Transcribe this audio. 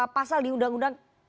pasal di undang undang